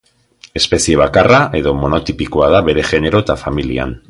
Espezie bakarra edo monotipikoa da bere genero eta familian.